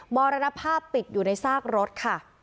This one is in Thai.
มรณภาพติดอยู่ในซากรถค่ะ